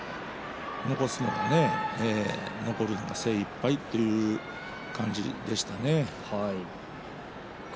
残すのが精いっぱいという感じでしたね。